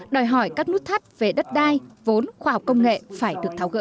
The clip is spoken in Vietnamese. đòi hỏi các nút thắt về đất đai vốn khoa học công nghệ phải được tháo gỡ